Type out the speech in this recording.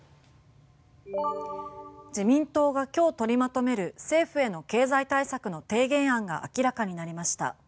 自民党が今日取りまとめる政府への経済対策の提言案が明らかになりました。